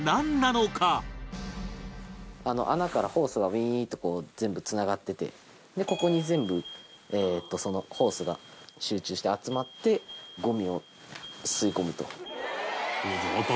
あの穴から、ホースがウイーンと全部つながっててここに全部そのホースが集中して集まってゴミを吸い込むと。